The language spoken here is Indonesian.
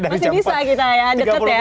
masih bisa kita ya deket ya